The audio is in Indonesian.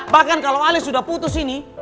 bahkan kalau anies sudah putus ini